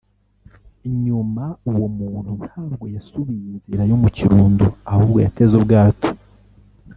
nyuma uwo muntu ntabwo yasubiye inzira yo mu Kirundo ahubwo yateze ubwato